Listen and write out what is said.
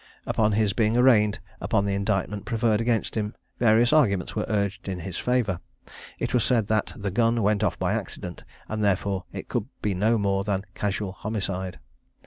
Upon his being arraigned upon the indictment preferred against him, various arguments were urged in his favour. It was said "That the gun went off by accident, and therefore it could be no more than casual homicide.